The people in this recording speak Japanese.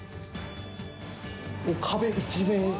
壁一面。